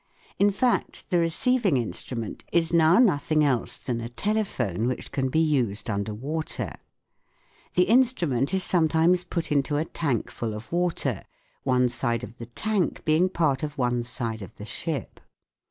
In fact the receiving instrument is now nothing else than a telephone which can be used under water. The instrument is sometimes put into a tank full of water, one side of the tank being part of one side of the ship.